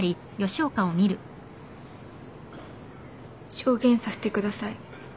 証言させてください。